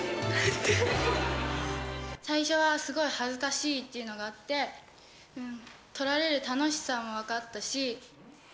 最初はすごい恥ずかしいっていうのがあって、撮られる楽しさもわかったし。